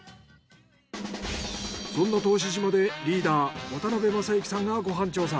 そんな答志島でリーダー渡辺正行さんがご飯調査。